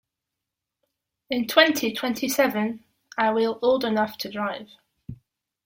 In twenty-twenty-seven I will old enough to drive.